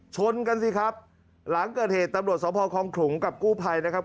ชนกันสิครับหลังเกิดเหตุตำรวจสภคองขลุงกับกู้ภัยนะครับ